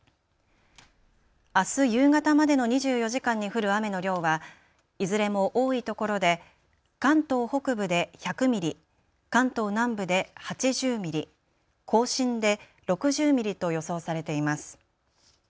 あす夕方までの２４時間に降る雨の量はいずれも多いところで関東北部で１００ミリ、関東南部で８０ミリ、甲信で６０ミリと予想されています。